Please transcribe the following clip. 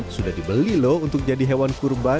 sudah dibeli loh untuk jadi hewan kurban